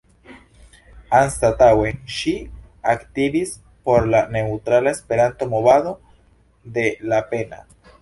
Anstataŭe ŝi aktivis por la "Neŭtrala Esperanto-Movado" de Lapenna.